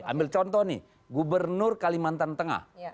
ambil contoh nih gubernur kalimantan tengah